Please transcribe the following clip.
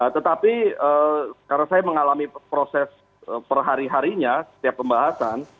tetapi karena saya mengalami proses perhari harinya setiap pembahasan